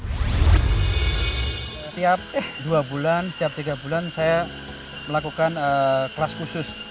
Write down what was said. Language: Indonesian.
setiap dua bulan setiap tiga bulan saya melakukan kelas khusus